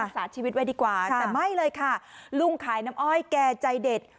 สาชีวิตไว้ดีกว่าแต่ไม่เลยค่ะลุงขายน้ำอ้อยแกใจเด็ด